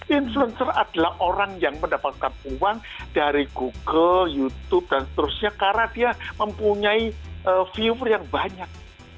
influencer adalah orang yang mendapatkan uang dari google youtube dan seterusnya karena dia mempunyai viewer yang banyak